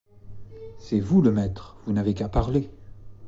C’est vous le maître, vous n’avez qu’à parler.